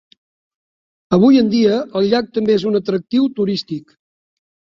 Avui en dia, el llac també és un atractiu turístic.